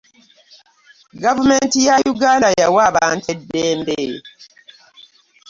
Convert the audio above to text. gavumenti ya uganda yawa abantu eddembe.